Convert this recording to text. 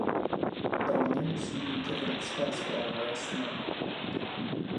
Pro mě musí být evropská zpráva jasná.